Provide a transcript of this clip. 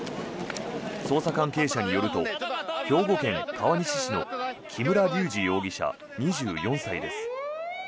捜査関係者によると兵庫県川西市の木村隆二容疑者、２４歳です。